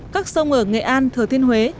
các sông ở nghệ an thờ thiên huế